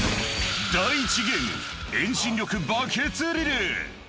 第１ゲーム、遠心力バケツリレー。